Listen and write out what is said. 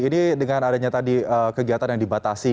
ini dengan adanya tadi kegiatan yang dibatasi